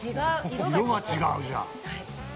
色が違うじゃん。